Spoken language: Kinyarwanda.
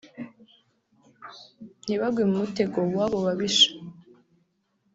ntibagwe mu mutego w’abo babisha